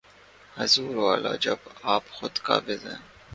حضور والا، جب آپ خود قابض ہیں۔